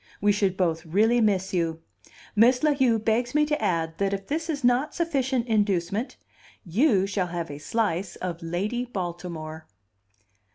We should both really miss you. Miss La Heu begs me to add that if this is not sufficient inducement, you shall have a slice of Lady Baltimore."